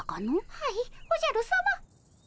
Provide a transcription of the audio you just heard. はいおじゃるさま。